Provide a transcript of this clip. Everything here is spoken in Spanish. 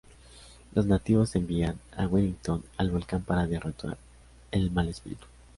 Los nativos envían a Wellington al volcán para derrotar el mal espíritu.